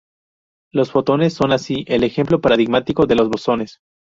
Los fotones son así el ejemplo paradigmático de los bosones.